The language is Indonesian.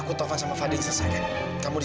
kava udah tadi diem kok mila